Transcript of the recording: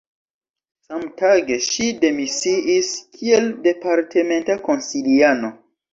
Samtage, ŝi demisiis kiel departementa konsiliano.